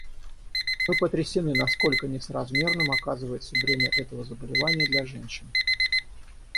Мы потрясены, насколько несоразмерным оказывается бремя этого заболевания для женщин.